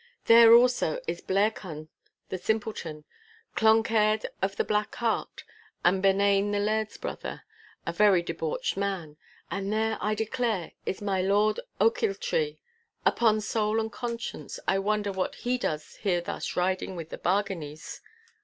'There also is Blairquhan the Simpleton, Cloncaird of the Black Heart, and Benane the Laird's brother—a very debauched man—and there, I declare, is my Lord Ochiltree. Upon soul and conscience, I wonder what he does here thus riding with the Barganies?